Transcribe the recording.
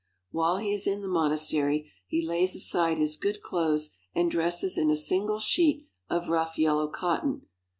While he is in the monastery, he lays aside his good clothes and dresses in a single sheet of rough yellow cotton.